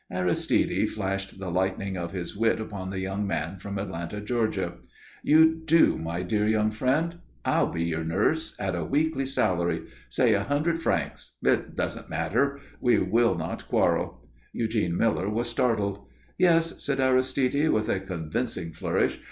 Aristide flashed the lightning of his wit upon the young man from Atlanta, Georgia. "You do, my dear young friend. I'll be your nurse, at a weekly salary say a hundred francs it doesn't matter. We will not quarrel." Eugene Miller was startled. "Yes," said Aristide, with a convincing flourish.